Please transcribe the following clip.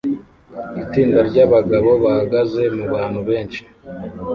Itsinda ryabagabo bahagaze mubantu benshi